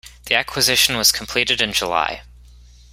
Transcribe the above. The acquisition was completed in July.